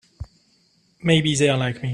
Maybe they're like me.